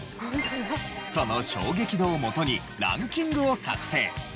その衝撃度をもとにランキングを作成。